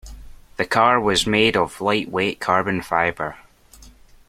The car was made of lightweight Carbon Fibre.